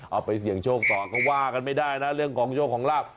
เอาไปเสี่ยงโชคต่อก็ว่ากันไม่ได้นะเรื่องของโชคของลาบ